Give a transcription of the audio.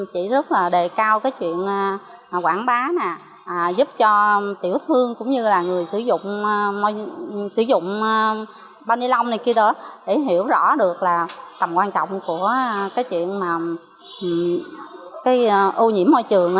chị rất là đề cao cái chuyện quảng bá giúp cho tiểu thương cũng như là người sử dụng túi ni lông này kia đó để hiểu rõ được là tầm quan trọng của cái chuyện ưu nhiễm môi trường